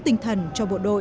tinh thần cho bộ đội